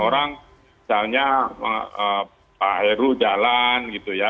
orang misalnya pak heru jalan gitu ya